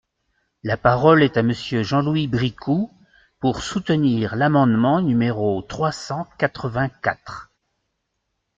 La parole est à Monsieur Jean-Louis Bricout, pour soutenir l’amendement numéro trois cent quatre-vingt-quatre.